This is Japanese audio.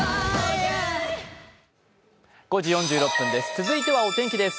続いてはお天気です。